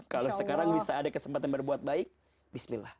kalau sekarang bisa ada kesempatan berbuat baik bismillah